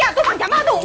pak jamal tuh